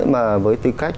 mà với tư cách